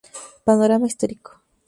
Panorama histórico".